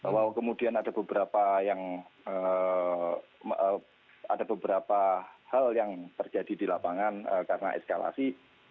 bahwa kemudian ada beberapa hal yang terjadi di lapangan karena eskalasi